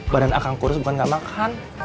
badan akang kurus bukan gak makan